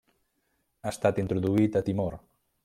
Ha estat introduït a Timor.